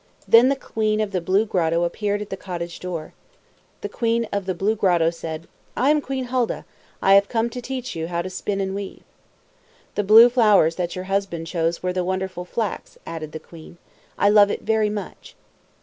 Then the queen of the Blue Grotto appeared at the cottage door. The queen of the Blue Grotto said, "I am Queen Hulda. I have come to teach you how to spin and weave." "The blue flowers that your husband chose were the wonderful flax," added the queen. "I love it very much."